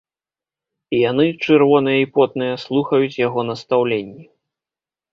Яны, чырвоныя і потныя, слухаюць яго настаўленні.